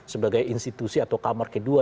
sebagai institusi atau kamar kedua